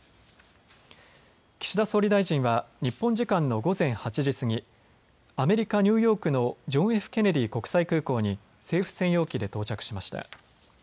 岸田総理大臣は日本時間の午前８時過ぎアメリカ・ニューヨークのジョン・Ｆ・ケネディ国際空港に政府専用機で到着しました。